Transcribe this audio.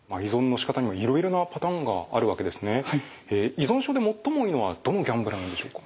依存症で最も多いのはどのギャンブルなんでしょうか？